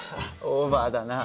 オーバーだな。